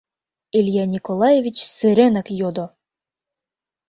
— Илья Николаевич сыренак йодо.